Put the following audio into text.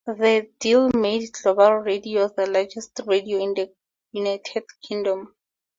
The deal made Global Radio the largest radio group in the United Kingdom.